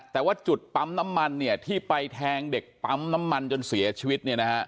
แต่ว่าจุดปั๊มน้ำมันที่ไปแทงเด็กปั๊มน้ำมันจนเสียชีวิต